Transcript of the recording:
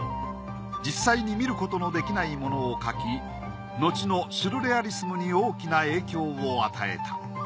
実際に見ることのできないものを描きのちのシュルレアリスムに大きな影響を与えた。